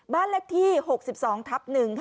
บ้านเลขที่๖๒ทับ๑ค่ะ